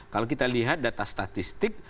kalau kita lihat data statistik